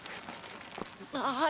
ああ。